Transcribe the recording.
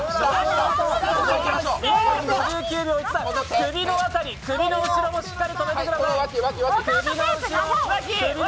首の辺りもしっかりとめてください！